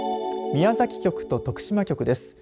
宮崎局と徳島局です。